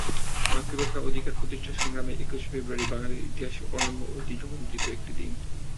মাতৃভাষা অধিকার প্রতিষ্ঠার সংগ্রামে একুশে ফেব্রুয়ারি বাঙালির ইতিহাসে অনন্য ঐতিহ্যমণ্ডিত একটি দিন।